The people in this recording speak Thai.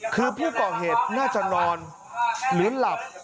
คือผู้ก่อเหตุน่าจะนอนหรือหลับ